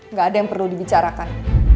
nggak ada yang perlu dibicarakan